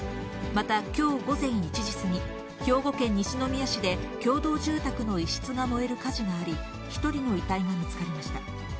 また、きょう午前１時過ぎ、兵庫県西宮市で共同住宅の一室が燃える火事があり、１人の遺体が見つかりました。